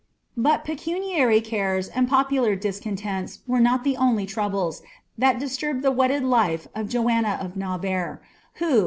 But pecuniary cares and popular discontents were not the onir troubles, that disturbed the wedded life of Jobdub of Navarre, whe.